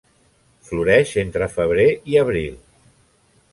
Floreix entre febrer i abril.